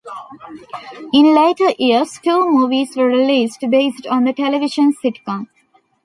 In later years two movies were released based on the television sitcom.